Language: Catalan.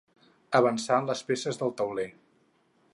Avançar les peces del tauler.